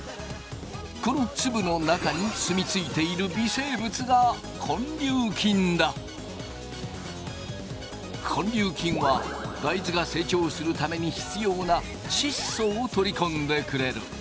この粒の中にすみついている微生物が根粒菌は大豆が成長するために必要なちっ素を取り込んでくれる。